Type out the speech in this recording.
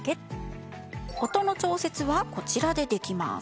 音の調節はこちらでできます。